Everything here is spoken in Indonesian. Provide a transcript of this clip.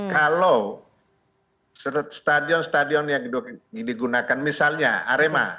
kalau stadion stadion yang digunakan misalnya arema